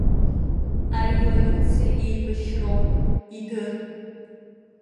Ареволиуциа еибашьроуп, идыр!